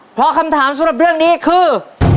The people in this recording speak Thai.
เพราะคำถามสำหรับเรื่องนี้คือ